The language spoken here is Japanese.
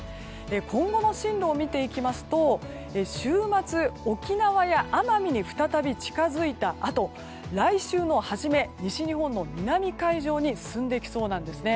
今後の進路を見ていきますと週末、沖縄や奄美に再び近づいたあと来週の初め、西日本の南海上に進んでいきそうなんです。